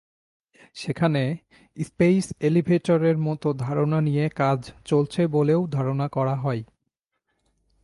সেখানে স্পেস এলিভেটরের মতো ধারণা নিয়ে কাজ চলছে বলেও ধারণা করা হয়।